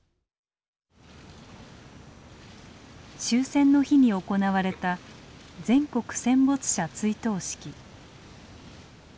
終戦の日に行われた全国戦没者追悼式。